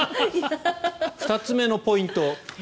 ２つ目のポイント